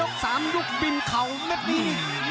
ปลายยก๓ยุคบิลเขาไม่เห็นอีก